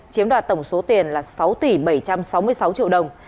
chiếm đoạt tổng số tiền là sáu tỷ bảy trăm sáu mươi sáu triệu đồng